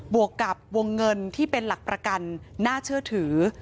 วกกับวงเงินที่เป็นหลักประกันน่าเชื่อถือ